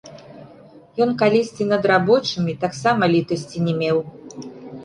Ён калісьці над рабочымі таксама літасці не меў.